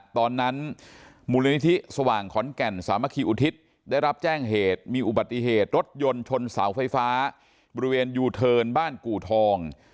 ตอนนั้นมูลนิธิสว่างขอนแก่นสามัคคีอุทิศได้รับแจ้งเหตุมีอุบัติเหตุรถยนต์ชนเสาไฟฟ้าบริเวณยูเทิร์นบ้านกู่ทอง